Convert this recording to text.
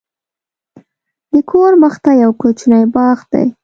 د کور مخته یو کوچنی باغ دی.